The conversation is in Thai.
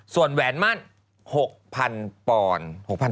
ส่วนแหวนมั่น๖๐๐๐ปอนด์